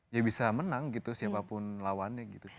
ya bisa menang gitu siapapun lawannya gitu